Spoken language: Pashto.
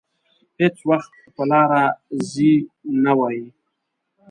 هېڅ وخت په لاره ځي نه وايي.